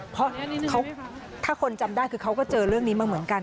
เพราะถ้าคนจำได้คือเขาก็เจอเรื่องนี้มาเหมือนกัน